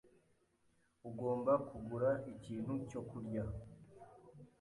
Ugomba kugura ikintu cyo kurya.